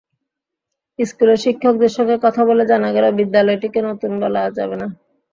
স্কুলের শিক্ষকদের সঙ্গে কথা বলে জানা গেল, বিদ্যালয়টিকে নতুন বলা যাবে না।